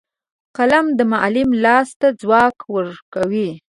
قلم د معلم لاس ته ځواک ورکوي